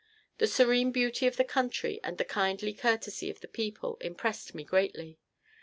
The serene beauty of the country and the kindly courtesy of the people impressed me greatly.